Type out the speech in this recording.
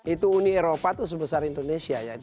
itu uni eropa itu sebesar indonesia ya